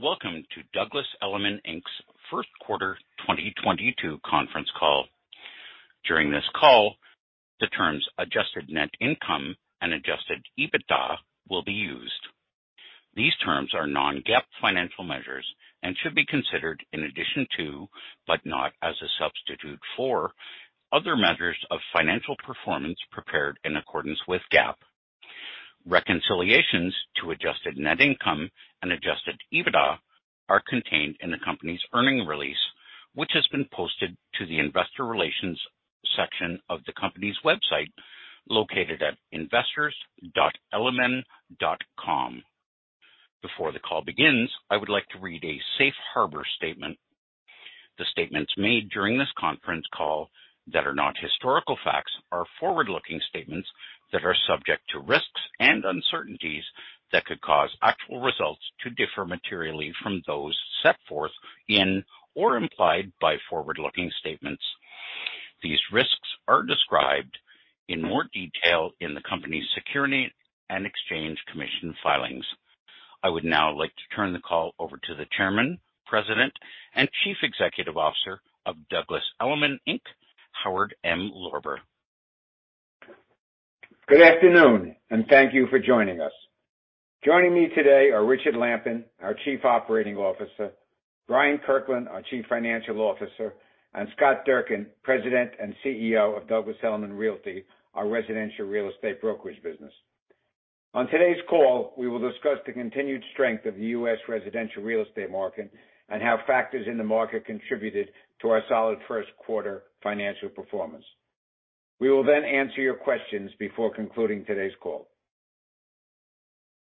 Welcome to Douglas Elliman Inc.'s first quarter 2022 conference call. During this call, the terms Adjusted Net Income and Adjusted EBITDA will be used. These terms are non-GAAP financial measures and should be considered in addition to, but not as a substitute for, other measures of financial performance prepared in accordance with GAAP. Reconciliations to Adjusted Net Income and Adjusted EBITDA are contained in the company's earnings release, which has been posted to the investor relations section of the company's website, located at investors.elliman.com. Before the call begins, I would like to read a safe harbor statement. The statements made during this conference call that are not historical facts are forward-looking statements that are subject to risks and uncertainties that could cause actual results to differ materially from those set forth in or implied by forward-looking statements. These risks are described in more detail in the company's Securities and Exchange Commission filings. I would now like to turn the call over to the Chairman, President, and Chief Executive Officer of Douglas Elliman Inc., Howard M. Lorber. Good afternoon, and thank you for joining us. Joining me today are Richard Lampen, our Chief Operating Officer, J. Bryant Kirkland III, our Chief Financial Officer, and Scott Durkin, President and CEO of Douglas Elliman Realty, our residential real estate brokerage business. On today's call, we will discuss the continued strength of the U.S. residential real estate market and how factors in the market contributed to our solid first quarter financial performance. We will then answer your questions before concluding today's call.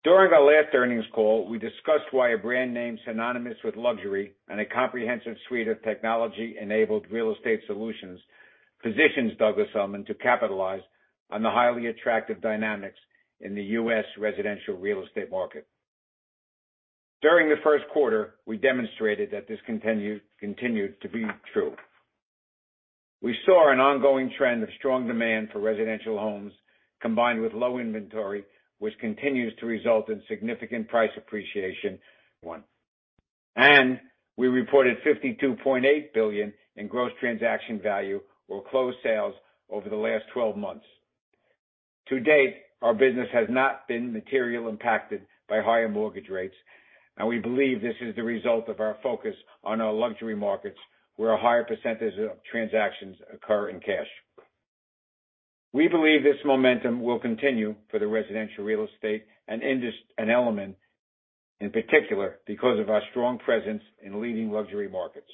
During our last earnings call, we discussed why a brand name synonymous with luxury and a comprehensive suite of technology-enabled real estate solutions positions Douglas Elliman to capitalize on the highly attractive dynamics in the U.S. residential real estate market. During the first quarter, we demonstrated that this continued to be true. We saw an ongoing trend of strong demand for residential homes, combined with low inventory, which continues to result in significant price appreciation. One. We reported $52.8 billion in gross transaction value or closed sales over the last 12 months. To date, our business has not been materially impacted by higher mortgage rates, and we believe this is the result of our focus on our luxury markets, where a higher percentage of transactions occur in cash. We believe this momentum will continue for the residential real estate and Elliman in particular, because of our strong presence in leading luxury markets.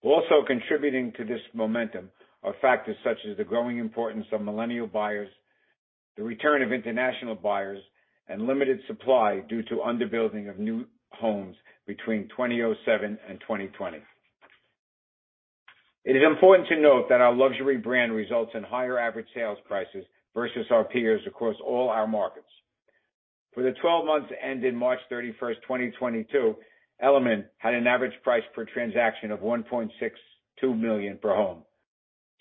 Also contributing to this momentum are factors such as the growing importance of millennial buyers, the return of international buyers, and limited supply due to under-building of new homes between 2007 and 2020. It is important to note that our luxury brand results in higher average sales prices versus our peers across all our markets. For the 12 months ending March 31st, 2022, Elliman had an average price per transaction of $1.62 million per home,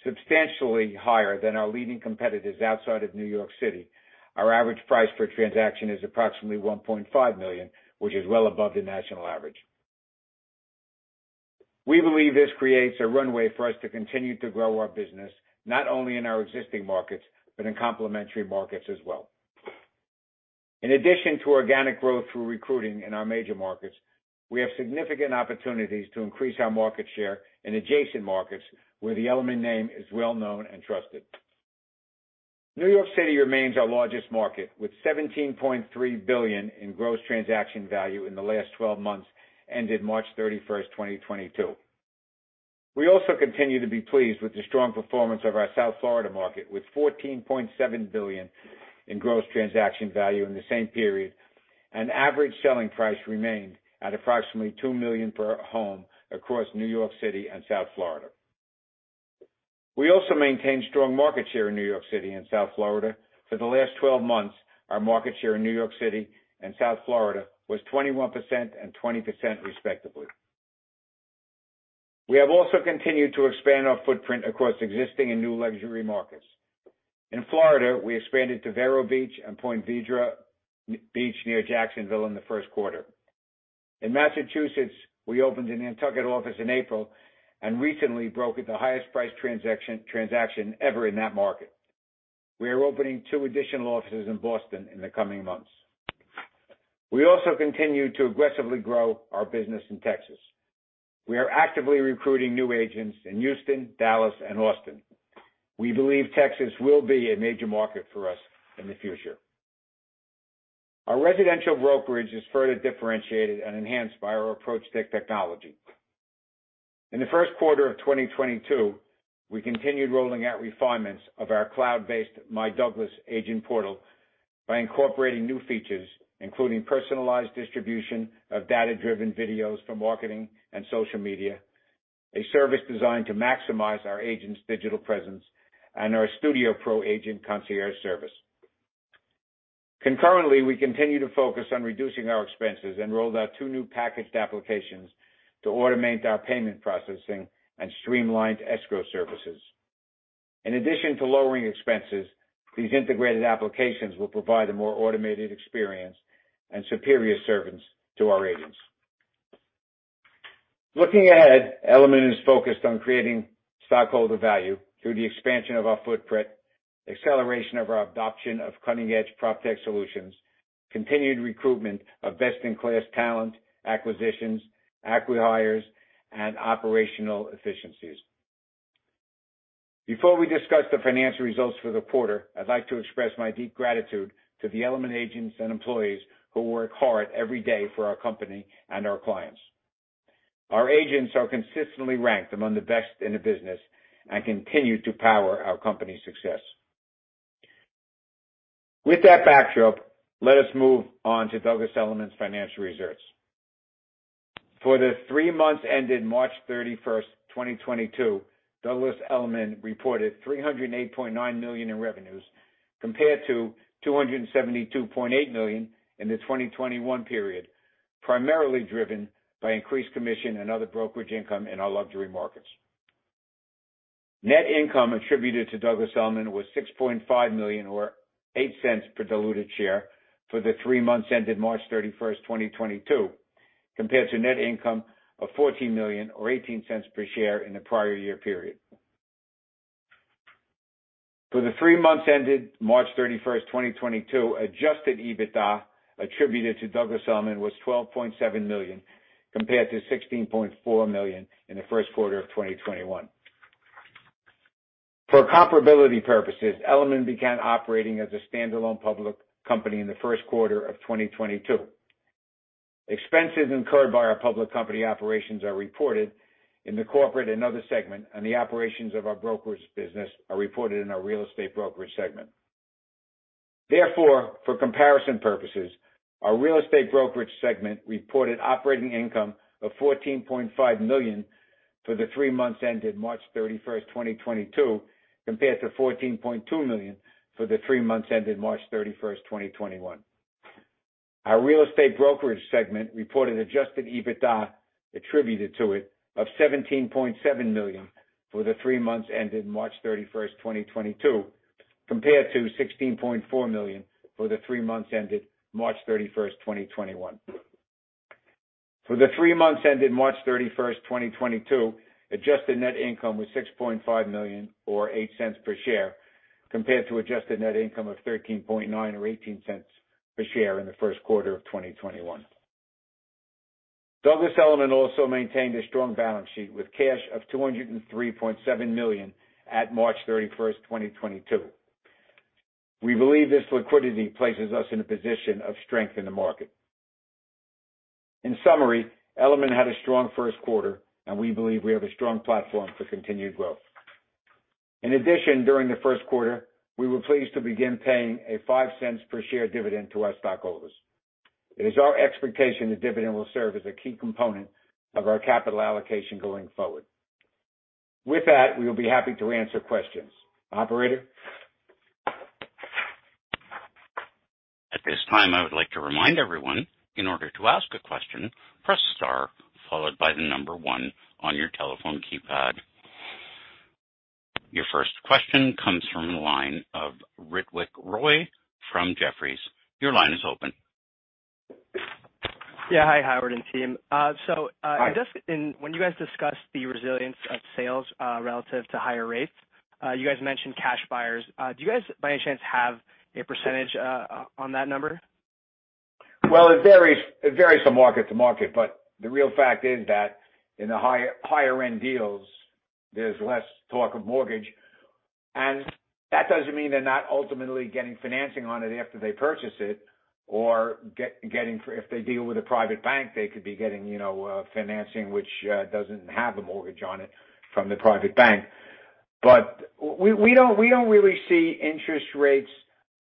substantially higher than our leading competitors outside of New York City. Our average price per transaction is approximately $1.5 million, which is well above the national average. We believe this creates a runway for us to continue to grow our business, not only in our existing markets, but in complementary markets as well. In addition to organic growth through recruiting in our major markets, we have significant opportunities to increase our market share in adjacent markets where the Elliman name is well known and trusted. New York City remains our largest market, with $17.3 billion in gross transaction value in the last twelve months, ending March 31, 2022. We also continue to be pleased with the strong performance of our South Florida market, with $14.7 billion in gross transaction value in the same period. Average selling price remained at approximately $2 million per home across New York City and South Florida. We also maintained strong market share in New York City and South Florida. For the last twelve months, our market share in New York City and South Florida was 21% and 20%, respectively. We have also continued to expand our footprint across existing and new luxury markets. In Florida, we expanded to Vero Beach and Ponte Vedra Beach near Jacksonville in the first quarter. In Massachusetts, we opened a Nantucket office in April and recently brokered the highest price transaction ever in that market. We are opening two additional offices in Boston in the coming months. We also continue to aggressively grow our business in Texas. We are actively recruiting new agents in Houston, Dallas, and Austin. We believe Texas will be a major market for us in the future. Our residential brokerage is further differentiated and enhanced by our PropTech technology. In the first quarter of 2022, we continued rolling out refinements of our cloud-based myDouglas agent portal by incorporating new features, including personalized distribution of data-driven videos for marketing and social media, a service designed to maximize our agents' digital presence, and our Studio Pro agent concierge service. Concurrently, we continue to focus on reducing our expenses and rolled out two new packaged applications to automate our payment processing and streamlined escrow services. In addition to lowering expenses, these integrated applications will provide a more automated experience and superior service to our agents. Looking ahead, Elliman is focused on creating stockholder value through the expansion of our footprint, acceleration of our adoption of cutting-edge PropTech solutions, continued recruitment of best-in-class talent, acquisitions, acqui-hires, and operational efficiencies. Before we discuss the financial results for the quarter, I'd like to express my deep gratitude to the Elliman agents and employees who work hard every day for our company and our clients. Our agents are consistently ranked among the best in the business and continue to power our company's success. With that backdrop, let us move on to Douglas Elliman's financial results. For the three months ended March 31, 2022, Douglas Elliman reported $308.9 million in revenues, compared to $272.8 million in the 2021 period, primarily driven by increased commission and other brokerage income in our luxury markets. Net income attributed to Douglas Elliman was $6.5 million or $0.08 per diluted share for the three months ended March 31, 2022, compared to net income of $14 million or $0.18 per share in the prior year period. For the three months ended March 31, 2022, Adjusted EBITDA attributed to Douglas Elliman was $12.7 million, compared to $16.4 million in the first quarter of 2021. For comparability purposes, Douglas Elliman began operating as a standalone public company in the first quarter of 2022. Expenses incurred by our public company operations are reported in the corporate and other segment, and the operations of our brokerage business are reported in our real estate brokerage segment. Therefore, for comparison purposes, our real estate brokerage segment reported operating income of $14.5 million for the three months ended March 31, 2022, compared to $14.2 million for the three months ended March 31, 2021. Our real estate brokerage segment reported Adjusted EBITDA attributed to it of $17.7 million for the three months ended March 31, 2022, compared to $16.4 million for the three months ended March 31, 2021. For the three months ended March 31st, 2022, Adjusted Net Income was $6.5 million or $0.08 per share, compared to Adjusted Net Income of $13.9 million or $0.18 per share in the first quarter of 2021. Douglas Elliman also maintained a strong balance sheet with cash of $203.7 million at March 31st, 2022. We believe this liquidity places us in a position of strength in the market. In summary, Elliman had a strong first quarter, and we believe we have a strong platform for continued growth. In addition, during the first quarter, we were pleased to begin paying a $0.05 per share dividend to our stockholders. It is our expectation the dividend will serve as a key component of our capital allocation going forward. With that, we will be happy to answer questions. Operator? At this time, I would like to remind everyone, in order to ask a question, press star followed by the number one on your telephone keypad. Your first question comes from the line of Ritwik Roy from Jefferies. Your line is open. Yeah. Hi, Howard and team. Hi. When you guys discussed the resilience of sales, relative to higher rates, you guys mentioned cash buyers. Do you guys by any chance have a percentage on that number? Well, it varies from market to market, but the real fact is that in the higher-end deals, there's less talk of mortgage. That doesn't mean they're not ultimately getting financing on it after they purchase it. If they deal with a private bank, they could be getting, you know, financing which doesn't have a mortgage on it from the private bank. We don't really see interest rates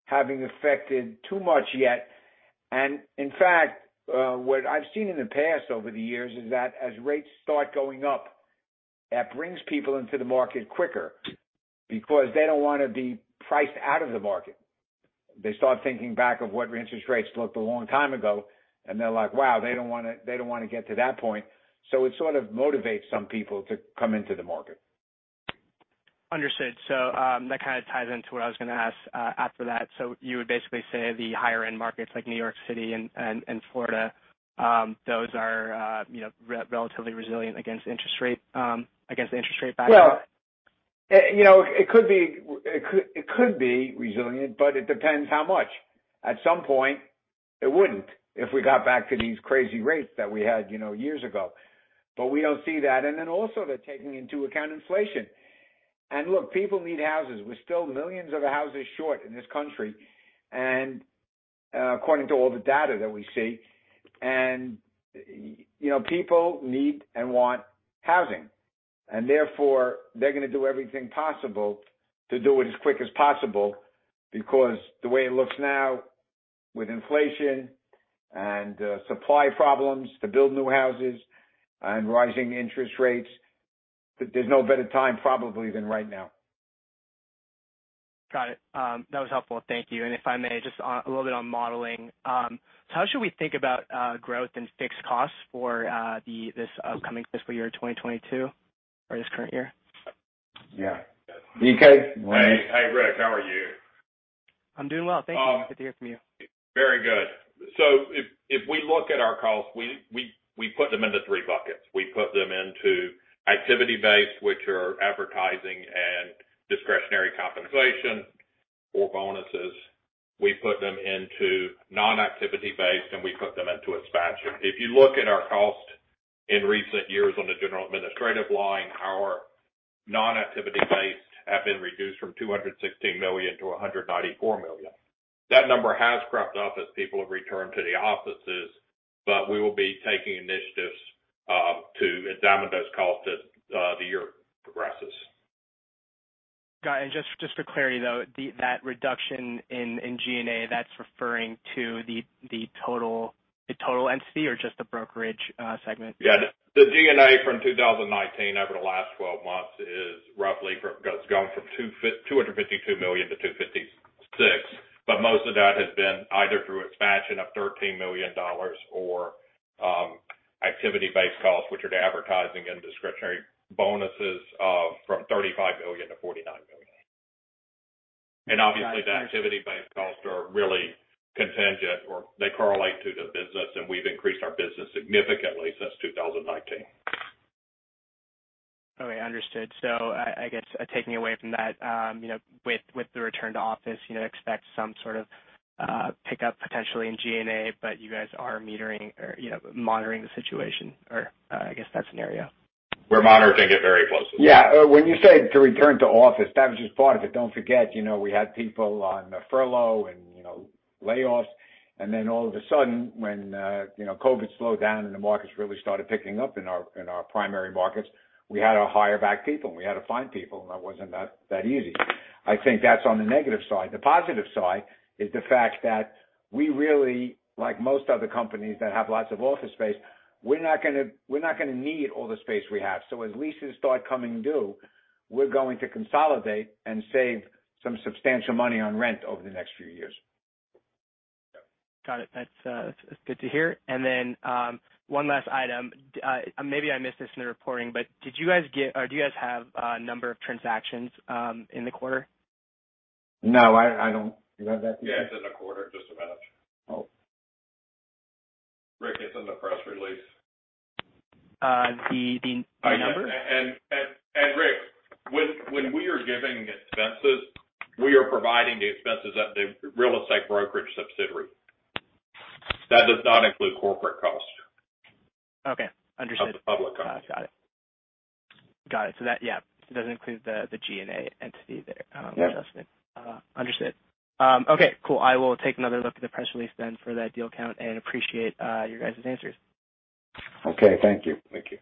having affected too much yet. In fact, what I've seen in the past over the years is that as rates start going up, that brings people into the market quicker because they don't wanna be priced out of the market. They start thinking back of what interest rates looked like a long time ago, and they're like, "Wow, they don't wanna get to that point." It sort of motivates some people to come into the market. Understood. That kind of ties into what I was gonna ask after that. You would basically say the higher end markets like New York City and Florida, those are, you know, relatively resilient against the interest rate backdrop? Well, you know, it could be resilient, but it depends how much. At some point, it wouldn't if we got back to these crazy rates that we had, you know, years ago. But we don't see that. Then also, they're taking into account inflation. Look, people need houses. We're still millions of houses short in this country and, according to all the data that we see, and, you know, people need and want housing. Therefore, they're gonna do everything possible to do it as quick as possible because the way it looks now with inflation and supply problems to build new houses and rising interest rates, there's no better time probably than right now. Got it. That was helpful. Thank you. If I may, just a little bit on modeling. How should we think about growth and fixed costs for this upcoming fiscal year, 2022 or this current year? Yeah. BK? Hey. Hey, Rick. How are you? I'm doing well. Thank you. Um. Good to hear from you. Very good. If we look at our costs, we put them into three buckets. We put them into activity-based, which are advertising and discretionary compensation or bonuses. We put them into non-activity based, and we put them into expansion. If you look at our cost in recent years on the general administrative line, our non-activity based have been reduced from $216 million to $194 million. That number has crept up as people have returned to the offices, but we will be taking initiatives to examine those costs as the year progresses. Got it. Just for clarity, though, that reduction in G&A, that's referring to the total entity or just the brokerage segment? Yeah. The G&A from 2019 over the last 12 months is roughly, it's gone from $252 million to $256. Most of that has been either through expansion of $13 million or activity-based costs, which are the advertising and discretionary bonuses of from $35 million to $49 million. Got it. Obviously, the activity-based costs are really contingent or they correlate to the business, and we've increased our business significantly since 2019. Okay. Understood. I guess, taking away from that, you know, with the return to office, you know, expect some sort of pickup potentially in G&A, but you guys are monitoring the situation or, I guess, that scenario. We're monitoring it very closely. Yeah. When you say the return to office, that was just part of it. Don't forget, you know, we had people on furlough and, you know, layoffs. All of a sudden when, you know, COVID slowed down and the markets really started picking up in our primary markets, we had to hire back people and we had to find people, and that wasn't that easy. I think that's on the negative side. The positive side is the fact that we really like most other companies that have lots of office space, we're not gonna need all the space we have. As leases start coming due, we're going to consolidate and save some substantial money on rent over the next few years. Got it. That's good to hear. One last item. Maybe I missed this in the reporting, but do you guys have a number of transactions in the quarter? No, I don't. Do you have that? Yeah, it's in the quarter. Just a minute. Oh. Rick, it's in the press release. The number? Rick, when we are giving expenses, we are providing the expenses at the real estate brokerage subsidiary. That does not include corporate costs. Okay. Understood. The public costs. Got it. Yeah, it doesn't include the G&A entity there. Yeah. Adjustment. Understood. Okay. Cool. I will take another look at the press release then for that deal count and appreciate your guys' answers. Okay. Thank you. Thank you.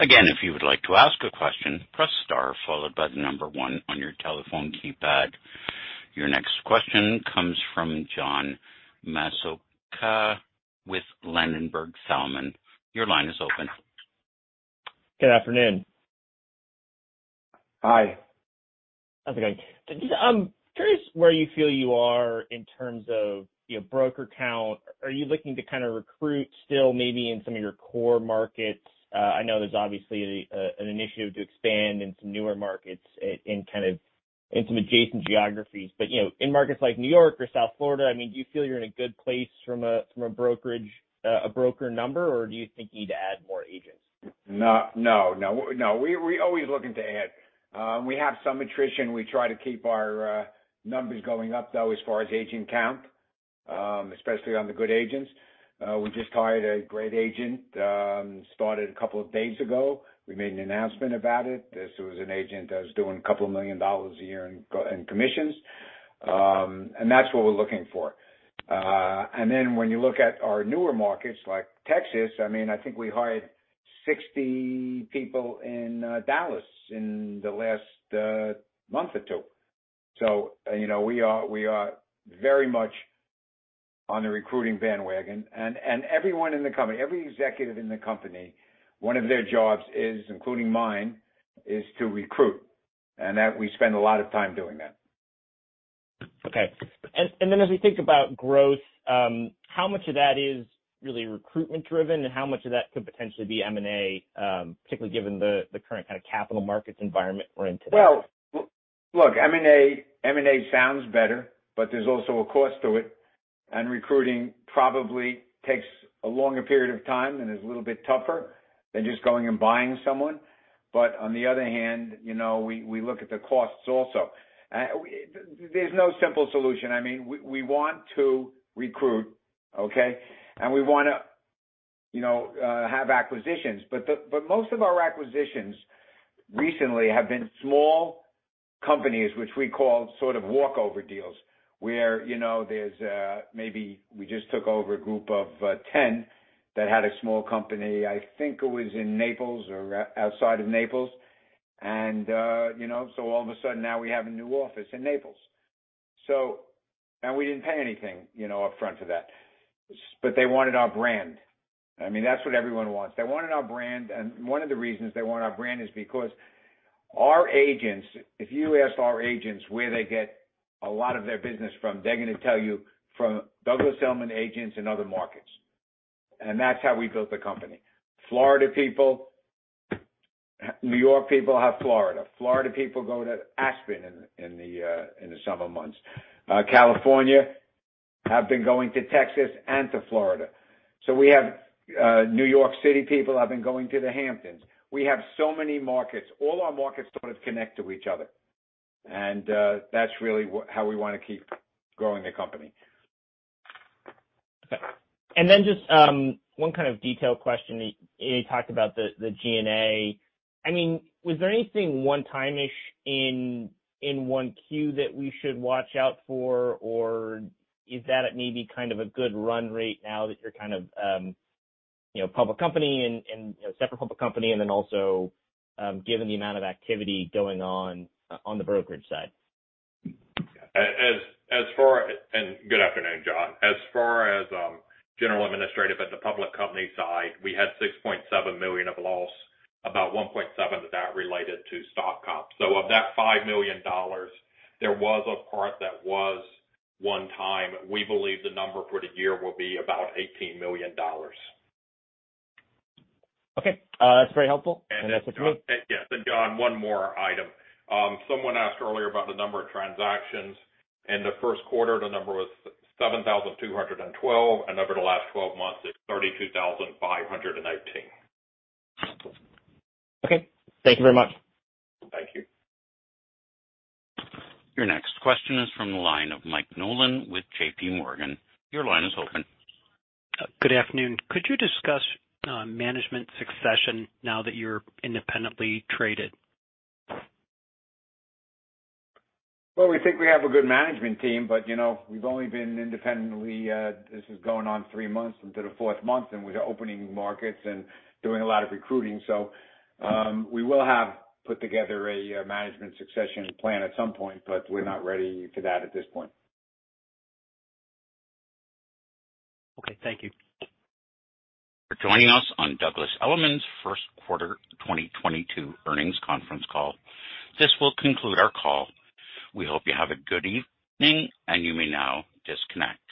Again, if you would like to ask a question, press star followed by the number one on your telephone keypad. Your next question comes from John Massocca with Ladenburg Thalmann. Your line is open. Good afternoon. Hi. How's it going? Just curious where you feel you are in terms of your broker count. Are you looking to kind of recruit still maybe in some of your core markets? I know there's obviously an initiative to expand in some newer markets in kind of into adjacent geographies, but, you know, in markets like New York or South Florida, I mean, do you feel you're in a good place from a brokerage, a broker number, or do you think you need to add more agents? No. We're always looking to add. We have some attrition. We try to keep our numbers going up, though, as far as agent count, especially on the good agents. We just hired a great agent, started a couple of days ago. We made an announcement about it. This was an agent that was doing a couple of million dollars a year in commissions. And that's what we're looking for. And then when you look at our newer markets like Texas, I mean, I think we hired 60 people in Dallas in the last month or two. You know, we are very much on the recruiting bandwagon. Everyone in the company, every executive in the company, one of their jobs, including mine, is to recruit, and we spend a lot of time doing that. Okay. As we think about growth, how much of that is really recruitment-driven, and how much of that could potentially be M&A, particularly given the current kind of capital markets environment we're in today? Well, look, M&A sounds better, but there's also a cost to it. Recruiting probably takes a longer period of time and is a little bit tougher than just going and buying someone. On the other hand, you know, we look at the costs also. There's no simple solution. I mean, we want to recruit, okay? We wanna, you know, have acquisitions. Most of our acquisitions recently have been small companies which we call sort of walkover deals. You know, there's maybe we just took over a group of 10 that had a small company, I think it was in Naples or outside of Naples. You know, all of a sudden now we have a new office in Naples. We didn't pay anything, you know, upfront to that. They wanted our brand. I mean, that's what everyone wants. They wanted our brand. One of the reasons they want our brand is because our agents, if you ask our agents where they get a lot of their business from, they're gonna tell you from Douglas Elliman agents in other markets. That's how we built the company. Florida people, New York people have Florida. Florida people go to Aspen in the summer months. Californians have been going to Texas and to Florida. We have New York City people have been going to the Hamptons. We have so many markets. All our markets sort of connect to each other. That's really how we wanna keep growing the company. Just one kind of detailed question. You talked about the G&A. I mean, was there anything one-time-ish in 1Q that we should watch out for? Or is that at maybe kind of a good run rate now that you're kind of, you know, public company and, you know, separate public company, and then also, given the amount of activity going on the brokerage side? Good afternoon, John. As far as general administrative at the public company side, we had $6.7 million of loss, about $1.7 of that related to stock comp. Of that $5 million, there was a part that was one-time. We believe the number for the year will be about $18 million. Okay. That's very helpful. John- That's it for me. Yes. John, one more item. Someone asked earlier about the number of transactions. In the first quarter, the number was seven,212, and over the last 12 months, it's 32,518. Okay. Thank you very much. Thank you. Your next question is from the line of Anthony Paolone with JPMorgan. Your line is open. Good afternoon. Could you discuss, management succession now that you're independently traded? Well, we think we have a good management team, but, you know, we've only been independently, this is going on three months into the fourth month, and we're opening markets and doing a lot of recruiting. We will have put together a management succession plan at some point, but we're not ready for that at this point. Okay. Thank you. for joining us on Douglas Elliman's first quarter 2022 earnings conference call. This will conclude our call. We hope you have a good evening, and you may now disconnect.